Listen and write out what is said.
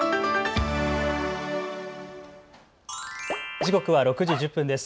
時刻は６時１０分です。